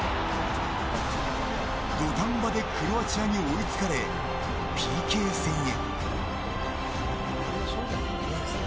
土壇場でクロアチアに追いつかれＰＫ戦へ。